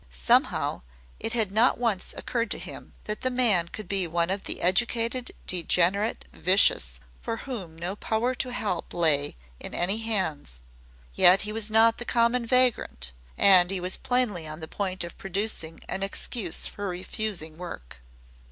Somehow it had not once occurred to him that the man could be one of the educated degenerate vicious for whom no power to help lay in any hands yet he was not the common vagrant and he was plainly on the point of producing an excuse for refusing work.